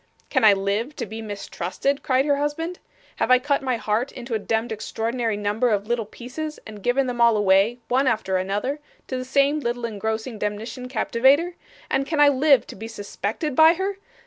'Can I live to be mistrusted?' cried her husband. 'Have I cut my heart into a demd extraordinary number of little pieces, and given them all away, one after another, to the same little engrossing demnition captivater, and can I live to be suspected by her?